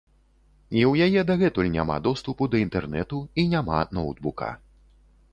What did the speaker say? І ў яе дагэтуль няма доступу да інтэрнэту і няма ноўтбука.